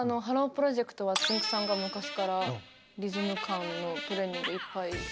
プロジェクトはつんく♂さんが昔からリズム感のトレーニングいっぱい。